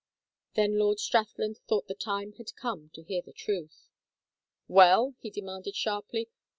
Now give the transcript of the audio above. Then Lord Strathland thought the time had come to hear the truth. "Well?" he demanded, sharply.